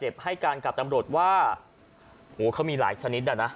พี่บ้านไม่อยู่ว่าพี่คิดดูด